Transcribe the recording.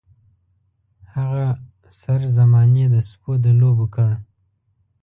هغه سر زمانې د سپو د لوبو کړ.